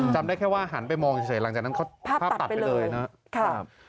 จำได้แค่ว่าหันไปมองเฉยหลังจากนั้นเขาภาพตัดไปเลยนะครับ